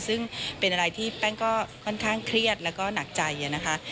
ซึ่งเป็นอะไรที่แป้งก็ค่อนข้างเครียดแล้วก็หนักใจนะคะ